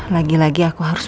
lagi lagi aku harus